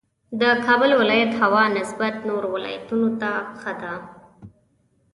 د کابل ولایت هوا نسبت نورو ولایتونو ته ښه ده